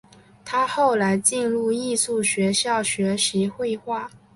他后来进入艺术学校学习绘画。